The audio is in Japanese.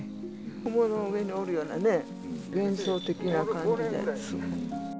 雲の上におるようなね、幻想的な感じで。